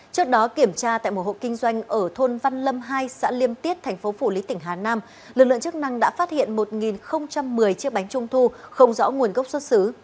trước đó kiểm tra tại một hộ kinh doanh ở thôn văn lâm hai xã liêm tiết tp phủ lý tỉnh hà nam lực lượng chức năng đã phát hiện một một mươi chiếc bánh trung thu không rõ nguồn gốc xuất xứ